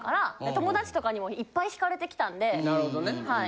友達とかにもいっぱい引かれてきたんではい。